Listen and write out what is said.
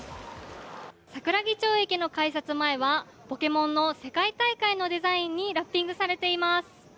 桜木町駅の改札前はポケモンの世界大会のデザインにラッピングされています。